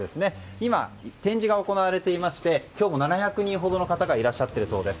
今、展示が行われていまして今日も７００人ほどの方がいらっしゃっているそうです。